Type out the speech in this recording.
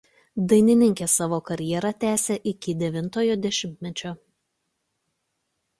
Dainininkė savo karjerą tęsė iki devintojo dešimtmečio.